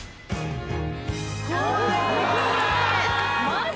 マジ！？